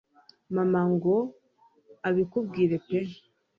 mama ngo abikubwire pe